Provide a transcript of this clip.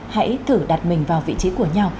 hãy thử đặt mình vào vị trí của nhau